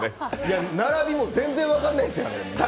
並びも全然分かんないですよ、あれ。